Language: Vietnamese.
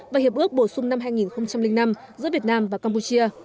và hiệp ước bổ sung năm hai nghìn năm giữa việt nam và campuchia